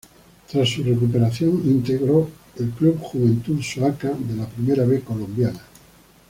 Tras su recuperación, integró el club Juventud Soacha de la Primera B colombiana.